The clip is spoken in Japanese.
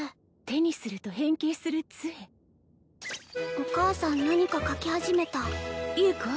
手にすると変形する杖お母さん何か描き始めた優子